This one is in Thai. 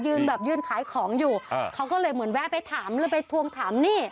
แบบยืนขายของอยู่เขาก็เลยเหมือนแวะไปถามหรือไปทวงถามหนี้